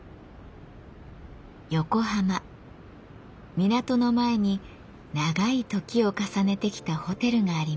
港の前に長い時を重ねてきたホテルがあります。